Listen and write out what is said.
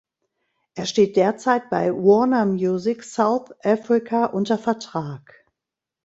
Er steht derzeit bei Warner Music South Africa unter Vertrag.